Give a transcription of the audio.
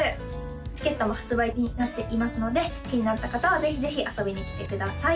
チケットも発売になっていますので気になった方はぜひぜひ遊びに来てください